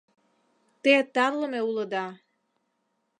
— Те тарлыме улыда!